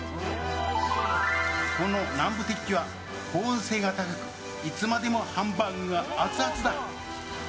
この南部鉄器は保温性が高くいつまでもハンバーグがアツアツだ。